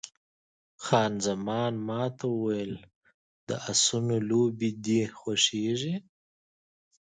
خان زمان ما ته وویل، د اسونو لوبې دې خوښېږي؟